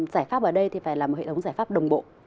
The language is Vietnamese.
giải pháp ở đây thì phải là một hệ thống giải pháp đồng bộ